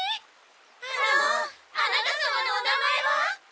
あのあなた様のお名前は？